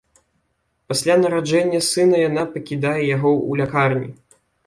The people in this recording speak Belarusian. Пасля нараджэння сына яна пакідае яго ў лякарні.